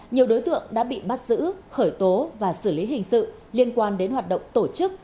nhiều đối tượng đã bị bắt giữ khởi tố và xử lý hình sự liên quan đến hoạt động tổ chức